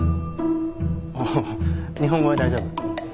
ああ日本語で大丈夫。